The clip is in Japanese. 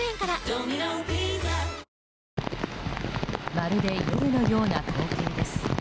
まるで夜のような光景です。